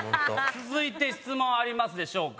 続いて質問ありますでしょうか？